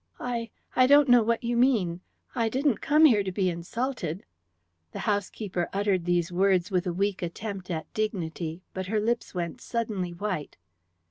"I I don't know what you mean. I didn't come here to be insulted." The housekeeper uttered these words with a weak attempt at dignity, but her lips went suddenly white.